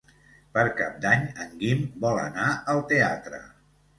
Per Cap d'Any en Guim vol anar al teatre.